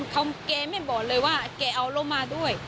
เขาแกไม่บอกเลยว่าแกเอาเรามาด้วย